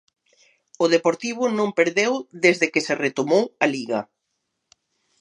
O Deportivo non perdeu desde que se retomou a Liga.